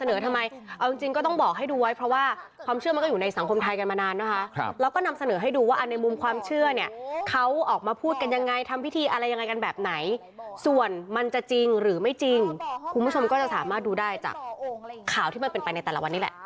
ทำไมเอาจริงก็ต้องบอกให้ดูไว้เพราะว่าความเชื่อมันก็อยู่ในสังคมไทยกันมานานนะคะแล้วก็นำเสนอให้ดูว่าในมุมความเชื่อเนี่ยเขาออกมาพูดกันยังไงทำพิธีอะไรยังไงกันแบบไหนส่วนมันจะจริงหรือไม่จริงคุณผู้ชมก็จะสามารถดูได้จากข่าวที่มันเป็นไปในแต่ละวันนี้แหละ